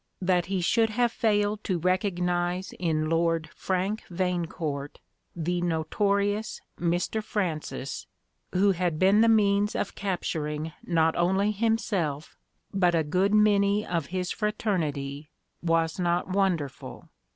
That he should have failed to recognise in Lord Frank Vanecourt the notorious Mr Francis who had been the means of capturing not only himself, but a good many of his fraternity, was not wonderful.